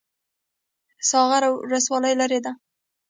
ساغر ولسوالۍ لیرې ده؟